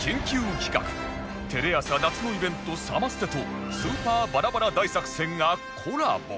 テレ朝夏のイベントサマステとスーパーバラバラ大作戦がコラボ